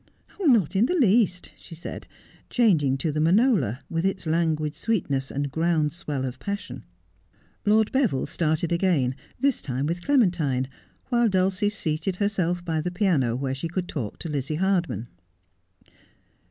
' Not in the least,' she said, changing to the Manola, with its languid sweetness, and ground swell of passion. Lord Eeville started again, this time with Clementine, while Dulcie seated herself by the piano, where she could talk to Lizzie Hardman.